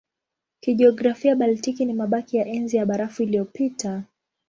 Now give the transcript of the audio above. Kijiografia Baltiki ni mabaki ya Enzi ya Barafu iliyopita.